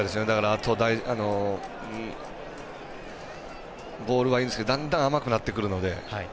あとボールはいいんですけどだんだん甘くなってくるので。